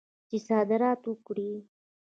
چې صادرات وکړي.